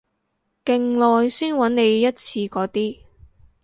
勁耐先搵你一次嗰啲